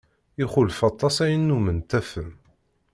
Ixulef aṭas ayen nnumen ttafen.